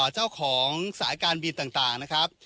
เจ้าของสายการบินต่างนะครับ